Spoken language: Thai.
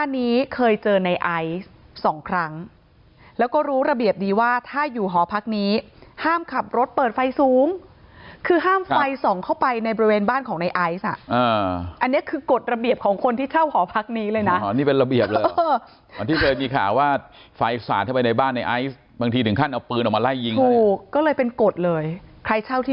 อันนี้เคยเจอในไอซ์สองครั้งแล้วก็รู้ระเบียบดีว่าถ้าอยู่หอพักนี้ห้ามขับรถเปิดไฟสูงคือห้ามไฟส่องเข้าไปในบริเวณบ้านของในไอซ์อ่ะอันนี้คือกฎระเบียบของคนที่เช่าหอพักนี้เลยนะหอนี่เป็นระเบียบเลยเหมือนที่เคยมีข่าวว่าไฟสาดเข้าไปในบ้านในไอซ์บางทีถึงขั้นเอาปืนออกมาไล่ยิงถูกก็เลยเป็นกฎเลยใครเช่าที่